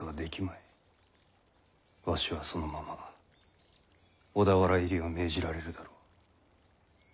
わしはそのまま小田原入りを命じられるだろう。